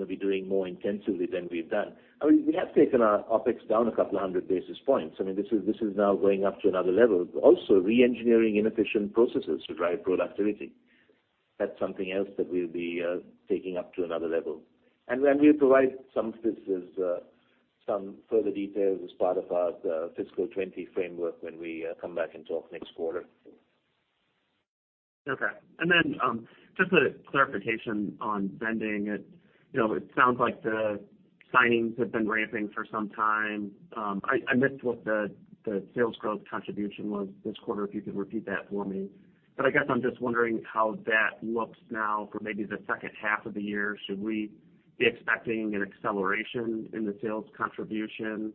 be doing more intensively than we've done. We have taken our OpEx down a couple of hundred basis points. This is now going up to another level. Also, re-engineering inefficient processes to drive productivity. That's something else that we'll be taking up to another level. We'll provide some further details as part of our fiscal 2020 framework when we come back and talk next quarter. Just a clarification on vending. It sounds like the signings have been ramping for some time. I missed what the sales growth contribution was this quarter, if you could repeat that for me. I guess I'm just wondering how that looks now for maybe the second half of the year. Should we be expecting an acceleration in the sales contribution,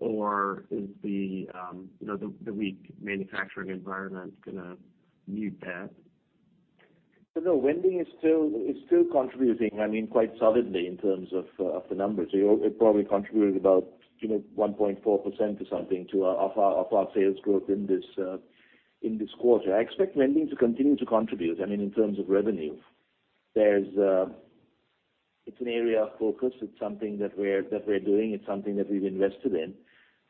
or is the weak manufacturing environment going to mute that? No, vending is still contributing quite solidly in terms of the numbers. It probably contributed about 1.4% or something to our core sales growth in this quarter. I expect vending to continue to contribute in terms of revenue. It's an area of focus. It's something that we're doing. It's something that we've invested in.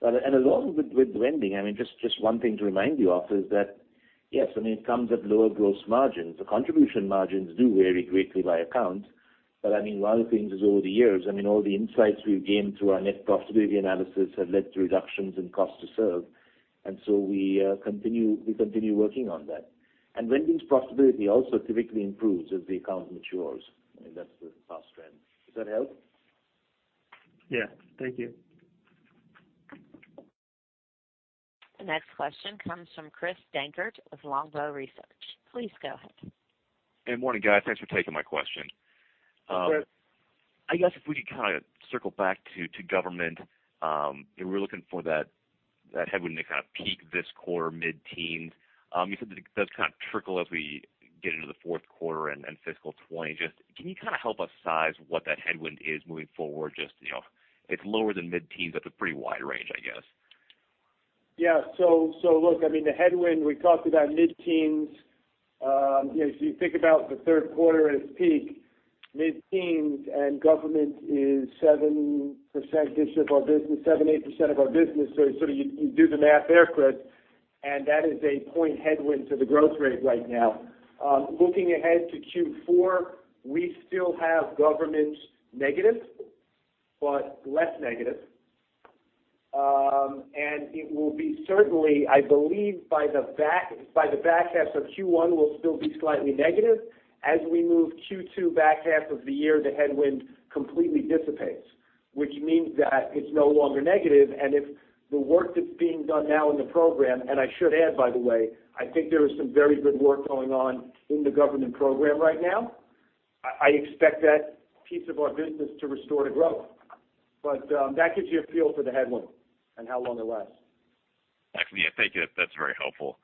along with vending, just one thing to remind you of is that, yes, it comes at lower gross margins. The contribution margins do vary greatly by account. One of the things is over the years, all the insights we've gained through our net profitability analysis have led to reductions in cost to serve, we continue working on that. vending's profitability also typically improves as the account matures. That's the past trend. Does that help? Yeah. Thank you. The next question comes from Chris Dankert with Longbow Research. Please go ahead. Good morning, guys. Thanks for taking my question. Go ahead. I guess if we could kind of circle back to government. We are looking for that headwind to kind of peak this quarter, mid-teens. You said that it does kind of trickle as we get into the fourth quarter and fiscal 2020. Just can you kind of help us size what that headwind is moving forward? Just it is lower than mid-teens, that is a pretty wide range, I guess. Yeah. Look, the headwind, we talked about mid-teens. If you think about the third quarter at its peak, mid-teens, and government is 7% of our business, 7%, 8% of our business. You do the math there, Chris, and that is a point headwind to the growth rate right now. Looking ahead to Q4, we still have government negative, but less negative. It will be certainly, I believe by the back half of Q1, will still be slightly negative. As we move Q2 back half of the year, the headwind completely dissipates, which means that it is no longer negative. If the work that is being done now in the program, and I should add, by the way, I think there is some very good work going on in the government program right now. I expect that piece of our business to restore to growth. That gives you a feel for the headwind and how long it lasts. Actually, thank you. That's very helpful.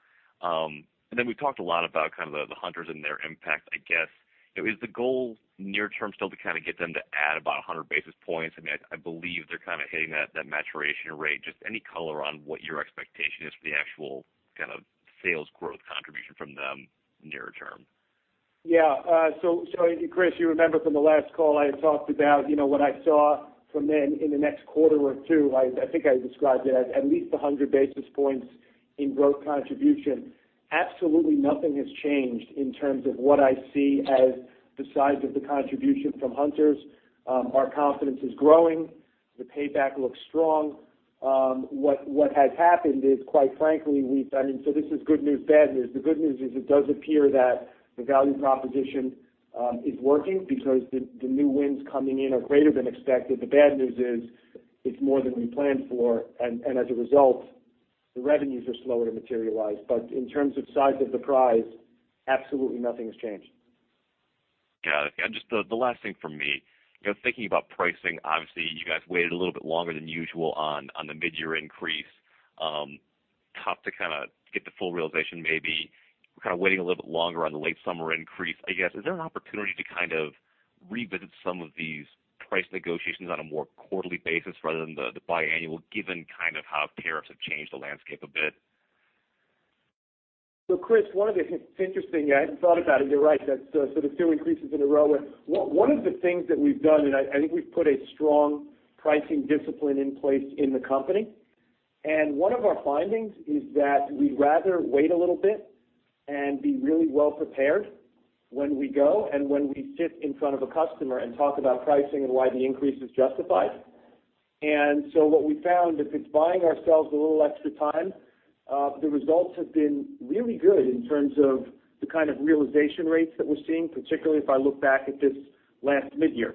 Then we talked a lot about the hunters and their impact, I guess. Is the goal near term still to kind of get them to add about 100 basis points? I believe they're kind of hitting that maturation rate. Just any color on what your expectation is for the actual kind of sales growth contribution from them near term. Chris, you remember from the last call I had talked about what I saw from then in the next quarter or two. I think I described it as at least 100 basis points in growth contribution. Absolutely nothing has changed in terms of what I see as the size of the contribution from hunters. Our confidence is growing. The payback looks strong. What has happened is, quite frankly, this is good news, bad news. The good news is it does appear that the value proposition is working because the new wins coming in are greater than expected. The bad news is it's more than we planned for, and as a result, the revenues are slower to materialize. In terms of size of the prize, absolutely nothing has changed. Got it. Just the last thing from me. Thinking about pricing, obviously, you guys waited a little bit longer than usual on the mid-year increase. Tough to get the full realization, maybe. We're kind of waiting a little bit longer on the late summer increase. I guess, is there an opportunity to kind of revisit some of these price negotiations on a more quarterly basis rather than the biannual, given how tariffs have changed the landscape a bit? Chris, it's interesting. I hadn't thought about it. You're right, that sort of two increases in a row. One of the things that we've done, and I think we've put a strong pricing discipline in place in the company, and one of our findings is that we'd rather wait a little bit and be really well-prepared when we go and when we sit in front of a customer and talk about pricing and why the increase is justified. What we found, if it's buying ourselves a little extra time, the results have been really good in terms of the kind of realization rates that we're seeing, particularly if I look back at this last mid-year.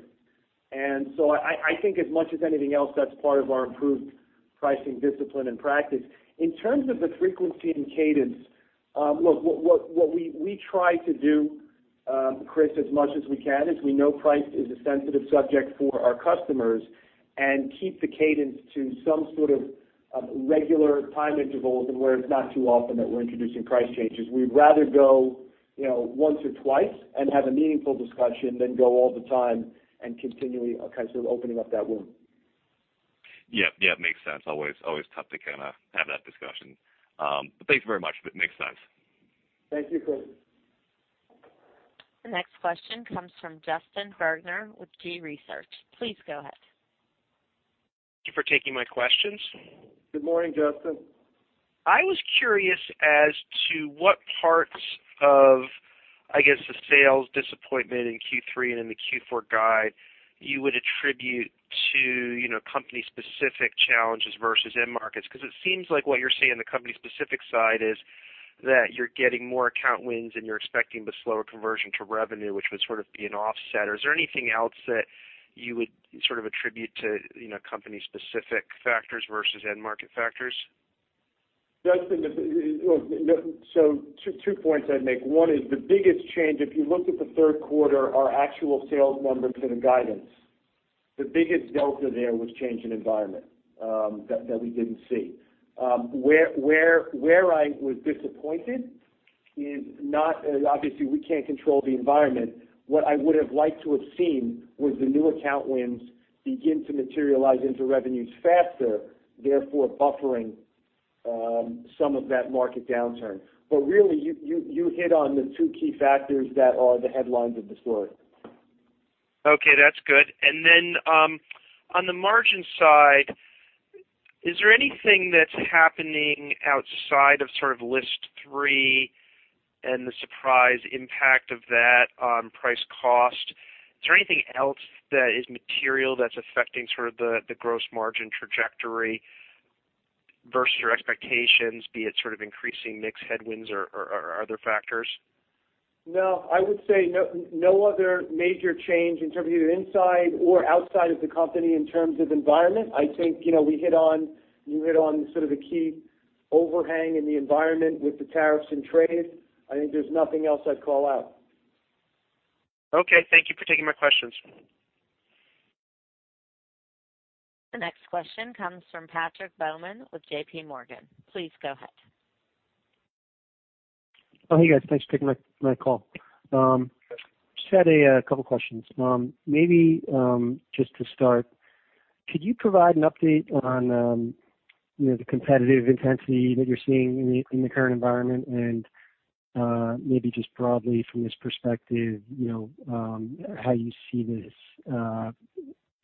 I think as much as anything else, that's part of our improved pricing discipline and practice. In terms of the frequency and cadence, look, what we try to do, Chris, as much as we can, is we know price is a sensitive subject for our customers and keep the cadence to some sort of regular time intervals and where it's not too often that we're introducing price changes. We'd rather go once or twice and have a meaningful discussion than go all the time and continually kind of opening up that wound. Yeah. Makes sense. Always tough to have that discussion. Thanks very much. It makes sense. Thank you, Chris. The next question comes from Justin Bergner with Gabelli Research. Please go ahead. Thank you for taking my questions. Good morning, Justin. I was curious as to what parts of, I guess, the sales disappointment in Q3 and in the Q4 guide you would attribute to company-specific challenges versus end markets. It seems like what you're saying, the company-specific side is that you're getting more account wins and you're expecting the slower conversion to revenue, which would sort of be an offset. Is there anything else that you would attribute to company-specific factors versus end market factors? Justin, two points I'd make. One is the biggest change, if you looked at the third quarter, our actual sales numbers and the guidance, the biggest delta there was change in environment that we didn't see. Where I was disappointed is not. Obviously we can't control the environment. What I would have liked to have seen was the new account wins begin to materialize into revenues faster, therefore buffering some of that market downturn. Really, you hit on the two key factors that are the headlines of the story. Okay, that's good. Then, on the margin side, is there anything that's happening outside of sort of List 3 and the surprise impact of that on price cost? Is there anything else that is material that's affecting the gross margin trajectory versus your expectations, be it sort of increasing mix headwinds or other factors? No, I would say no other major change in terms of either inside or outside of the company in terms of environment. I think you hit on sort of the key overhang in the environment with the tariffs and trade. I think there's nothing else I'd call out. Okay. Thank you for taking my questions. The next question comes from Patrick Baumann with JPMorgan. Please go ahead. Oh, hey guys. Thanks for taking my call. Just had a couple questions. Maybe, just to start, could you provide an update on the competitive intensity that you're seeing in the current environment and, maybe just broadly from this perspective, how you see this,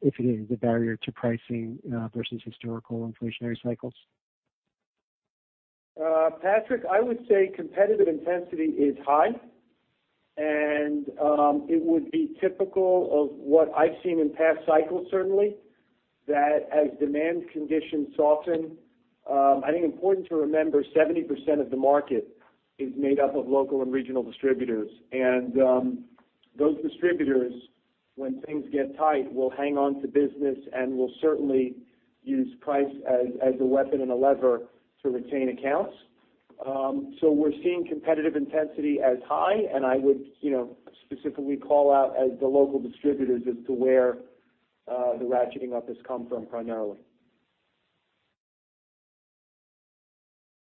if it is a barrier to pricing, versus historical inflationary cycles? Patrick, I would say competitive intensity is high, and it would be typical of what I've seen in past cycles, certainly. That as demand conditions soften, I think important to remember, 70% of the market is made up of local and regional distributors. Those distributors, when things get tight, will hang on to business and will certainly use price as a weapon and a lever to retain accounts. We're seeing competitive intensity as high, and I would specifically call out as the local distributors as to where the ratcheting up has come from primarily.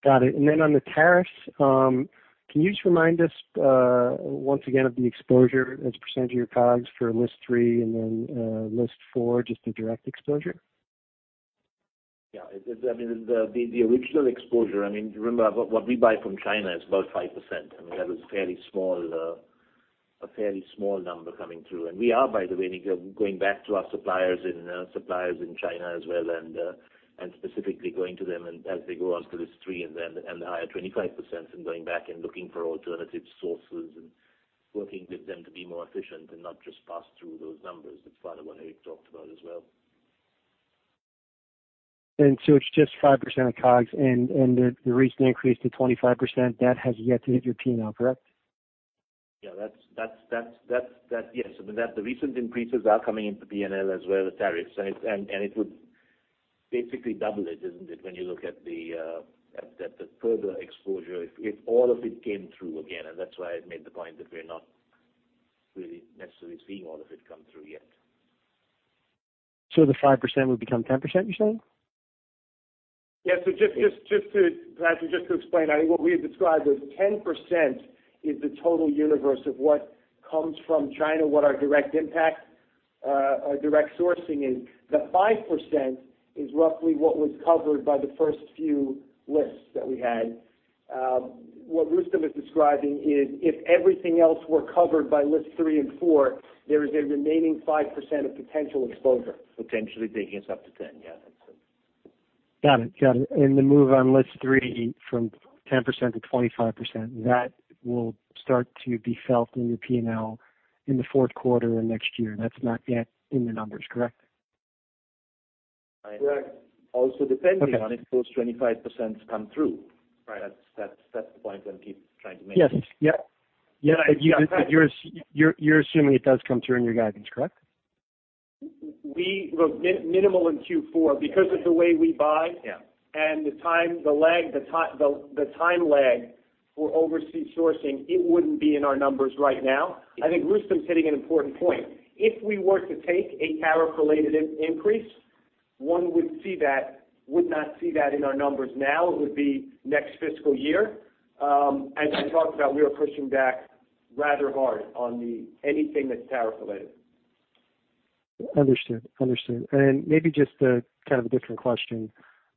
Got it. On the tariffs, can you just remind us, once again of the exposure as a percentage of your COGS for List 3 and then List 4, just the direct exposure? I mean, the original exposure, I mean, remember what we buy from China is about 5%. I mean, that was a fairly small number coming through. We are, by the way, going back to our suppliers in China as well, and specifically going to them as they go on to List 3 and the higher 25%, and going back and looking for alternative sources and working with them to be more efficient and not just pass through those numbers. That's part of what Erik talked about as well. It's just 5% of COGS, the recent increase to 25%, that has yet to hit your P&L, correct? Yeah. The recent increases are coming into P&L as well as tariffs. It would basically double it, isn't it? When you look at the further exposure, if all of it came through again, that's why I made the point that we're not really necessarily seeing all of it come through yet. The 5% would become 10%, you're saying? Yes. Just to, Patrick, just to explain, I think what we had described was 10% is the total universe of what comes from China, what our direct impact, our direct sourcing is. The 5% is roughly what was covered by the first few lists that we had. What Rustom is describing is, if everything else were covered by List 3 and List 4, there is a remaining 5% of potential exposure. Potentially taking us up to 10%. Yeah, that's it. Got it. The move on List 3 from 10%-25%, that will start to be felt in your P&L in the fourth quarter and next year. That's not yet in the numbers, correct? Correct. Also, depending on if those 25% come through. Right. That's the point that hes trying to make. Yes. Yep. You're assuming it does come through in your guidance, correct? Look, minimal in Q4 because of the way we buy. Yeah. The time lag for overseas sourcing, it wouldn't be in our numbers right now. I think Rustom's hitting an important point. If we were to take a tariff-related increase, one would not see that in our numbers now. It would be next fiscal year. As I talked about, we are pushing back rather hard on anything that's tariff related. Understood. Maybe just a kind of a different question.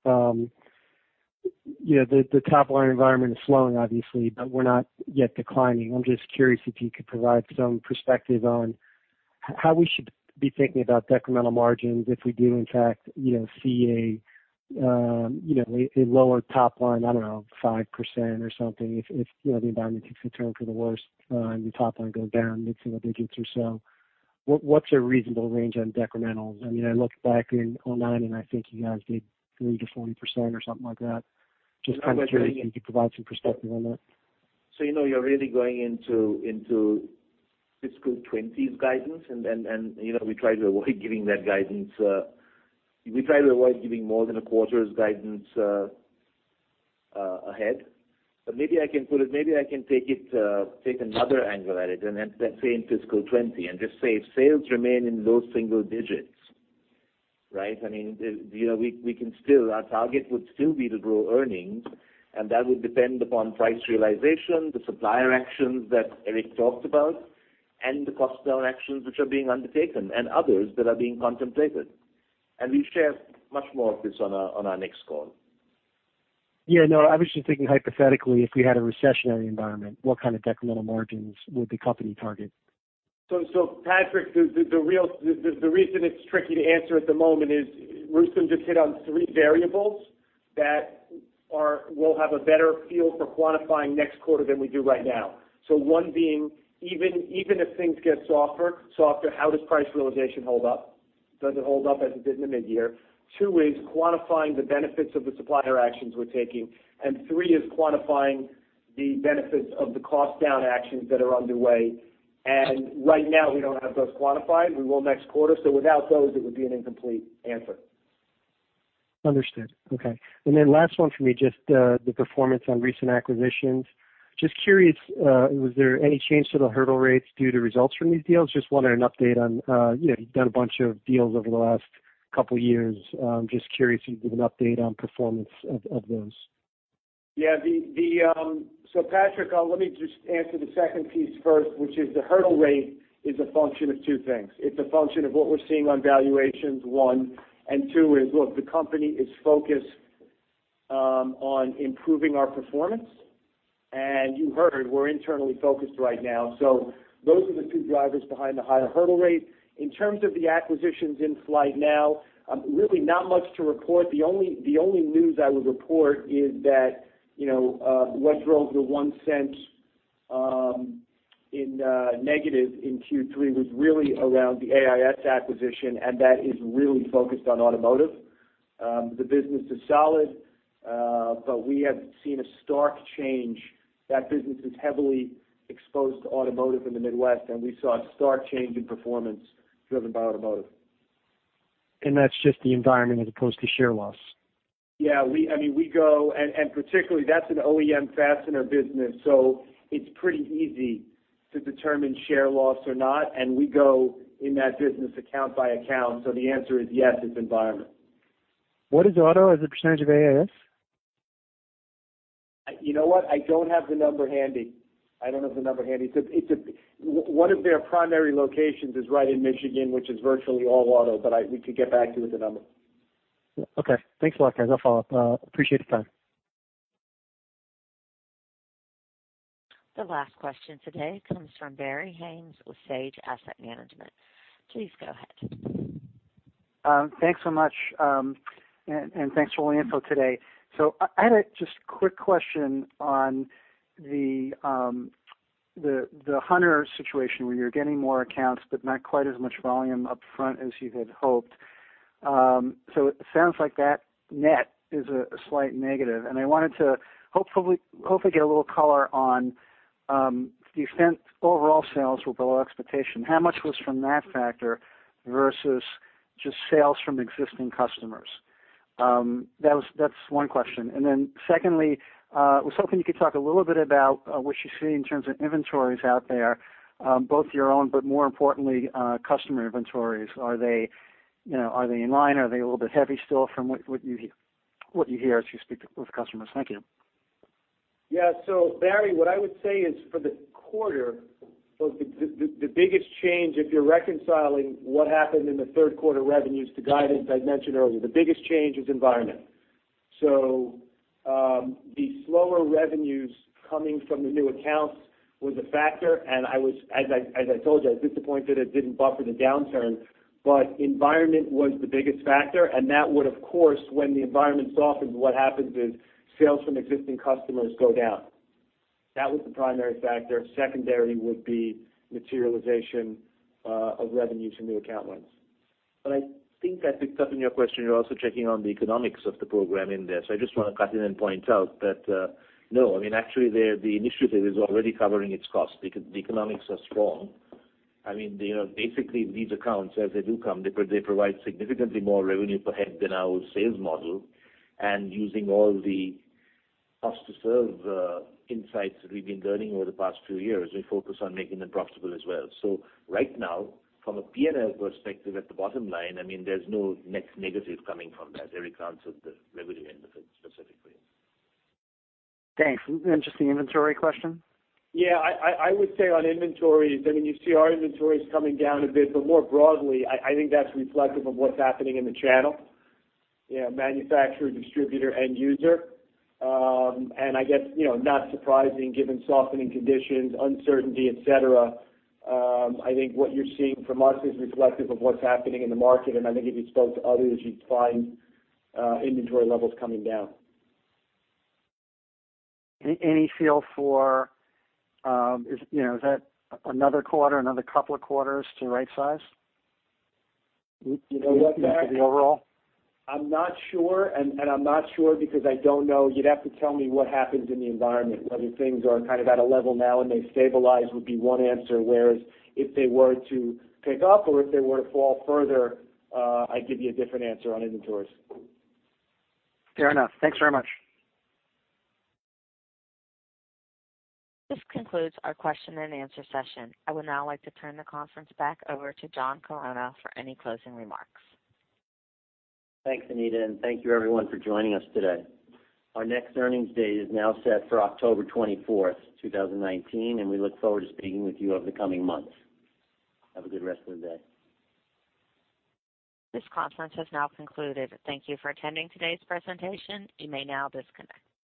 The top-line environment is slowing, obviously, but we're not yet declining. I'm just curious if you could provide some perspective on how we should be thinking about decremental margins if we do in fact see a lower top line, I don't know, 5% or something, if the environment takes a turn for the worst and the top line goes down mid-single digits or so. What's a reasonable range on decremental? I looked back in 2009, and I think you guys did 3%-40% or something like that. Kind of curious if you could provide some perspective on that. You're really going into fiscal 2020's guidance and we try to avoid giving that guidance. We try to avoid giving more than a quarter's guidance ahead. Maybe I can take another angle at it and let's say in fiscal 2020, and just say, if sales remain in low single digits, right? Our target would still be to grow earnings, and that would depend upon price realization, the supplier actions that Erik talked about, and the cost down actions which are being undertaken, and others that are being contemplated. We'll share much more of this on our next call. I was just thinking hypothetically, if we had a recessionary environment, what kind of decremental margins would the company target? Patrick, the reason it's tricky to answer at the moment is, Rustom just hit on three variables that we'll have a better feel for quantifying next quarter than we do right now. One being, even if things get softer, how does price realization hold up? Does it hold up as it did in the mid-year? Two is quantifying the benefits of the supplier actions we're taking, and three is quantifying the benefits of the cost down actions that are underway. Right now we don't have those quantified. We will next quarter. Without those, it would be an incomplete answer. Understood. Okay. Last one for me, just the performance on recent acquisitions. Just curious, was there any change to the hurdle rates due to results from these deals? Just wanted an update on. You've done a bunch of deals over the last couple of years. Just curious if you could give an update on performance of those. Yeah. Patrick, let me just answer the second piece first, which is the hurdle rate is a function of two things. It's a function of what we're seeing on valuations, one, and two is, look, the company is focused on improving our performance. You heard we're internally focused right now. Those are the two drivers behind the higher hurdle rate. In terms of the acquisitions in flight now, really not much to report. The only news I would report is that what drove the $0.01 in negative in Q3 was really around the AIS acquisition, and that is really focused on automotive. The business is solid, but we have seen a stark change. That business is heavily exposed to automotive in the Midwest, and we saw a stark change in performance driven by automotive. That's just the environment as opposed to share loss. Yeah. Particularly that's an OEM fastener business, it's pretty easy to determine share loss or not, we go in that business account by account. The answer is yes, it's environment. What is auto as a percentage of AIS? You know what? I don't have the number handy. One of their primary locations is right in Michigan, which is virtually all auto, but we could get back to you with the number. Okay. Thanks a lot, guys. I'll follow up. Appreciate the time. The last question today comes from Barry Haines with Sage Asset Management. Please go ahead. Thanks so much, and thanks for all the info today. I had a just quick question on the hunters situation where you're getting more accounts but not quite as much volume up front as you had hoped. It sounds like that net is a slight negative, and I wanted to hopefully get a little color on the extent overall sales were below expectation. How much was from that factor versus just sales from existing customers? That's one question. Secondly, I was hoping you could talk a little bit about what you see in terms of inventories out there, both your own, but more importantly, customer inventories. Are they in line? Are they a little bit heavy still from what you hear as you speak with customers? Thank you. Barry, what I would say is for the quarter, the biggest change, if you're reconciling what happened in the third quarter revenues to guidance, I'd mentioned earlier, the biggest change is environment. The slower revenues coming from the new accounts was a factor, and as I told you, I was disappointed it didn't buffer the downturn. Environment was the biggest factor, and that would, of course, when the environment softens, what happens is sales from existing customers go down. That was the primary factor. Secondary would be materialization of revenues from new account wins. I think I picked up in your question, you're also checking on the economics of the program in there. I just want to cut in and point out that, no, actually, the initiative is already covering its cost because the economics are strong. Basically, these accounts, as they do come, they provide significantly more revenue per head than our old sales model. Using all the cost to serve insights that we've been learning over the past few years, we focus on making them profitable as well. Right now, from a P&L perspective at the bottom line, there's no net negative coming from that. Erik answered the revenue end of it specifically. Thanks. Just the inventory question? Yeah. I would say on inventories, you see our inventories coming down a bit. More broadly, I think that's reflective of what's happening in the channel. Manufacturer, distributor, end user. I guess, not surprising given softening conditions, uncertainty, et cetera. I think what you're seeing from us is reflective of what's happening in the market. I think if you spoke to others, you'd find inventory levels coming down. Any feel for, is that another quarter, another couple of quarters to right size? You know what, Barry. Kind of the overall. I'm not sure, I'm not sure because I don't know. You'd have to tell me what happens in the environment, whether things are kind of at a level now and they stabilize would be one answer, whereas if they were to pick up or if they were to fall further, I'd give you a different answer on inventories. Fair enough. Thanks very much. This concludes our question and answer session. I would now like to turn the conference back over to John Chironna for any closing remarks. Thanks, Anita, thank you everyone for joining us today. Our next earnings date is now set for October 24th, 2019, we look forward to speaking with you over the coming months. Have a good rest of the day. This conference has now concluded. Thank you for attending today's presentation. You may now disconnect.